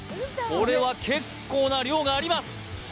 これは結構な量があります